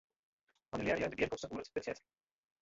Annulearje de gearkomste oer it budzjet.